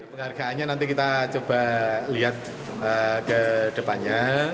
penghargaannya nanti kita coba lihat ke depannya